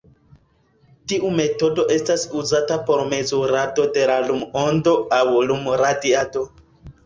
Tiu metodo estas uzata por mezurado de la lum-ondo aŭ lum-radiado.